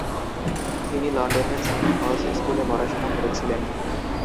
তিনি লন্ডনের saint Paul's স্কুলে পড়াশোনা করেছিলেন।